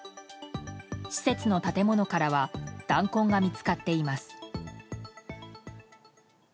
施設の建物からは弾痕が見つかっています。